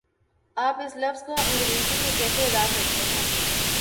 آپ اس لفظ کو انگریزی میں کیسے ادا کرتےہیں؟